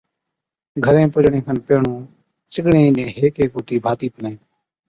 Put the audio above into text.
گھرين پُجڻي کن پيهڻُون سِگڙين اِينڏين هيڪ هيڪ هُتِي ڀاتِي پلين۔